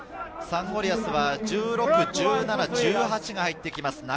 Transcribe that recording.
サンゴリアスは１６、１７、１８が入ってきます。